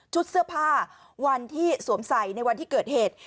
เสื้อผ้าวันที่สวมใส่ในวันที่เกิดเหตุ